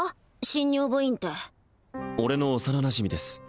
新入部員って俺の幼なじみです